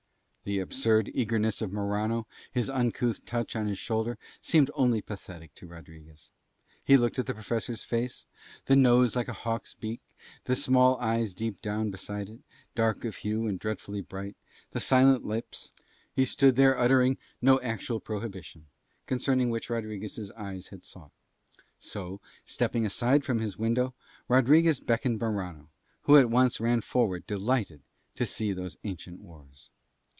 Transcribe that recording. The absurd eagerness of Morano, his uncouth touch on his shoulder, seemed only pathetic to Rodriguez. He looked at the Professor's face, the nose like a hawk's beak, the small eyes deep down beside it, dark of hue and dreadfully bright, the silent lips. He stood there uttering no actual prohibition, concerning which Rodriguez's eyes had sought; so, stepping aside from his window, Rodriguez beckoned Morano, who at once ran forward delighted to see those ancient wars.